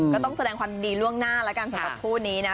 ก็ต้องแสดงความดีล่วงหน้าแล้วกันสำหรับคู่นี้นะ